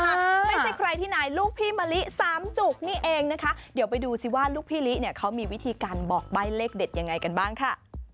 ไม่ใช่ใครที่ไหนลูกพี่มะลิสามจุกนี่เองนะคะเดี๋ยวไปดูสิว่าลูกพี่ลิเนี่ยเขามีวิธีการบอกใบ้เลขเด็ดยังไงกันบ้างค่ะ